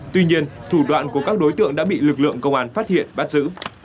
tuy nhiên thủ đoạn của các đối tượng đã bị lực lượng công an phát hiện bắt giữ